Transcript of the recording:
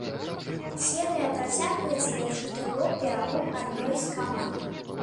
Серыя працягваецца да чатырох перамог адной з каманд.